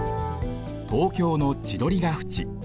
東京の千鳥ヶ淵。